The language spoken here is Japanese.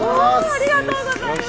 ありがとうございます。